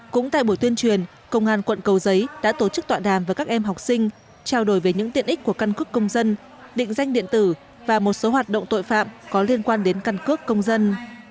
cũng tại buổi tuyên truyền công an quận cầu giấy đã tổ chức tọa đàm với các em học sinh trao đổi về những tiện ích của căn cước công dân định danh điện tử và một số hoạt động tội phạm có liên quan đến căn cước công dân